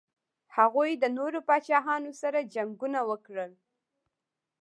هغوی د نورو پاچاهانو سره جنګونه وکړل.